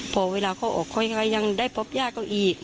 พอเวลาเขาโอ้กกอยังได้พบงานกับนั้นอีก